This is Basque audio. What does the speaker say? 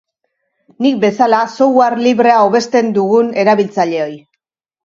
Nik bezala software librea hobesten dugun erabiltzaileoi.